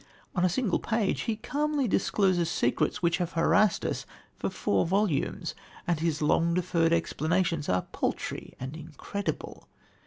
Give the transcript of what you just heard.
On a single page he calmly discloses secrets which have harassed us for four volumes, and his long deferred explanations are paltry and incredible.